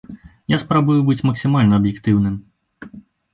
Я спрабую быць максімальна аб'ектыўным.